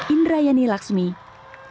indrayani laksmi jakarta